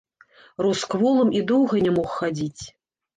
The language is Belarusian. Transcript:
Рос кволым і доўга ня мог хадзіць.